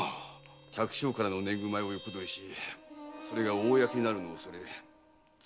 百姓からの年貢米を横取りしそれが公になるのを恐れ罪